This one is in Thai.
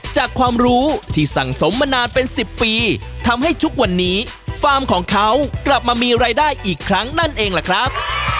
ความรู้ที่สั่งสมมานานเป็น๑๐ปีทำให้ทุกวันนี้ฟาร์มของเขากลับมามีรายได้อีกครั้งนั่นเองล่ะครับ